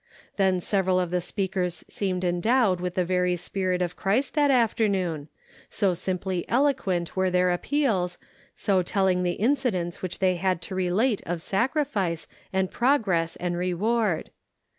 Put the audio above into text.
Then several of the speakers seemed endowed with the very spirit of Christ 452 The Pocket Measure, that afternoon, so simply eloquent were their appeals, so telling the incidents which they had to relate of sacrifice, and progress and re ward.